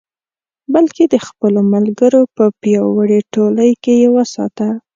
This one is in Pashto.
بلکې د خپلو ملګرو په پیاوړې ټولۍ کې یې وساته.